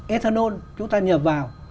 ethanol chúng ta nhập vào